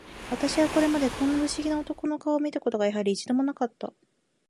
私はこれまで、こんな不思議な男の顔を見た事が、やはり、一度も無かった